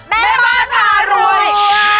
แม่ปั๊ดหารวย